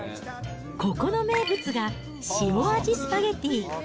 ここの名物が塩味スパゲティ。